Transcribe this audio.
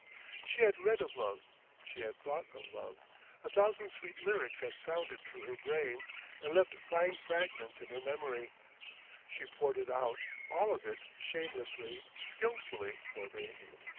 She had read of love, she had thought of love, a thousand sweet lyrics had sounded through her brain and left fine fragments in her memory; she poured it out, all of it, shamelessly, skilfully, for me.